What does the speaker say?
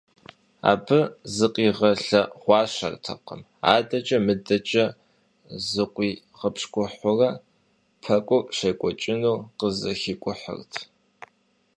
Абы зыкъигъэлъэгъуащэртэкъым – адэкӀэ-мыдэкӀэ зыкъуигъапщкӀуэурэ пэкӀур щекӀуэкӀынур къызэхикӀухьырт.